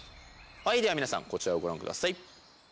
では皆さんこちらをご覧ください。